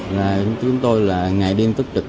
là chúng tôi là ngày đêm tức trực